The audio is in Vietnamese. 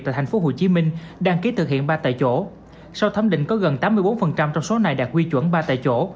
tại tp hcm đăng ký thực hiện ba tại chỗ sau thấm định có gần tám mươi bốn trong số này đạt quy chuẩn ba tại chỗ